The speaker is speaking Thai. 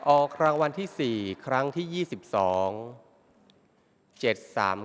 ออกรางวัลที่สี่ครั้งที่ยี่สิบเอ็ด